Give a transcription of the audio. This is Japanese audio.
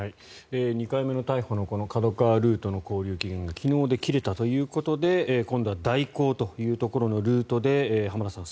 ２回目の逮捕のＫＡＤＯＫＡＷＡルートの勾留期限が昨日で切れたということで今度は大広というところのルートで浜田さん